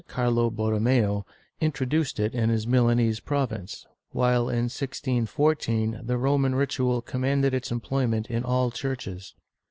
Carlo Borromeo introduced it in his Milanese province, while in 1614 the Roman Ritual commanded its employment in all churches.